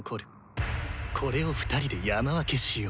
これを２人で山分けしよう。